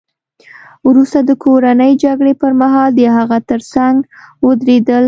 وروسته د کورنۍ جګړې پرمهال د هغه ترڅنګ ودرېدل